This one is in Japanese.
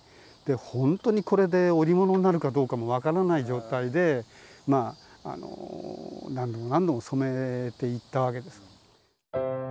本当にこれで織物になるかどうかも分からない状態で何度も何度も染めていったわけです。